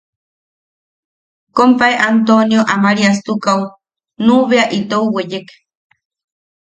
Kompae Antonio Amariastukaʼu nuʼu bea itou weyek.